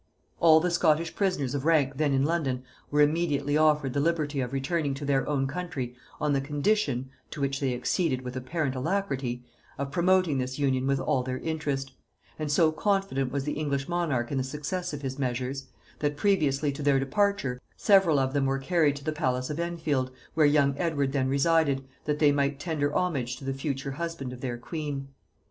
All the Scottish prisoners of rank then in London were immediately offered the liberty of returning to their own country on the condition, to which they acceded with apparent alacrity, of promoting this union with all their interest; and so confident was the English monarch in the success of his measures, that previously to their departure, several of them were carried to the palace of Enfield, where young Edward then resided, that they might tender homage to the future husband of their queen.